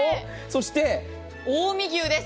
そして近江牛です。